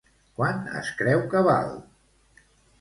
Quant es creu que val?